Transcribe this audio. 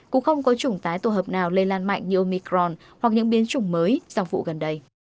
cũng không có chủng tái tổ hợp nào lây lan mạnh như omicron hoặc những biến chủng mới trong vụ gần đây